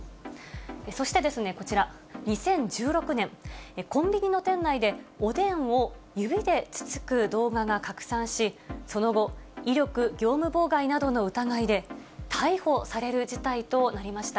そしてこちら、２０１６年、コンビニの店内で、おでんを指でつつく動画が拡散し、その後、威力業務妨害などの疑いで逮捕される事態となりました。